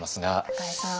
高井さん